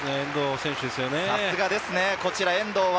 さすがですね、遠藤航。